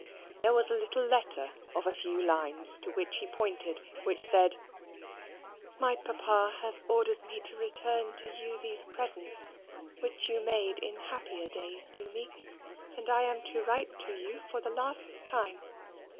There was a little letter of a few lines, to which he pointed, which said: My papa has ordered me to return to you these presents, which you made in happier days to me; and I am to write to you for the last time.